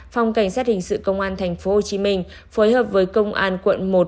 phòng cảnh sát hình sự công an tp hcm phối hợp với công an quận một